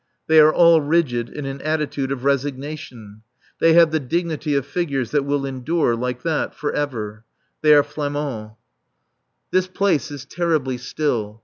They are all rigid in an attitude of resignation. They have the dignity of figures that will endure, like that, for ever. They are Flamands. This place is terribly still.